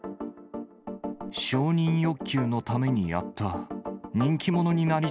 承認欲求のためにやった。